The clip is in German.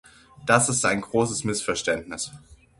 Das ist ein großes Missverständnis.